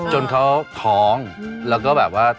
จนเขาท้องแล้วก็แบบว่า